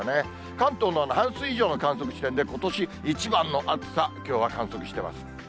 関東の半数以上の観測地点で、ことし一番の暑さ、きょうは観測してます。